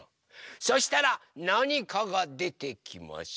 そしたらなにかがでてきます！